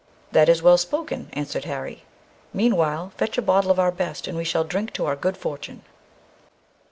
"That is well spoken," answered Harry. "Meanwhile fetch a bottle of our best, and we shall drink to our good fortune."